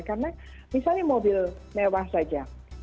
karena misalnya mobil mewah saja